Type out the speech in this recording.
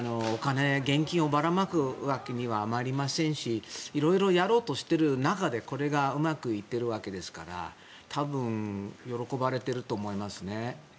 現金をばらまくわけにはいきませんし色々やろうとしている中でこれがうまくいっているわけですから多分、喜ばれていると思いますね。